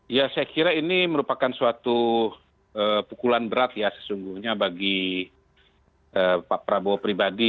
ya saya kira ini merupakan suatu pukulan berat ya sesungguhnya bagi pak prabowo pribadi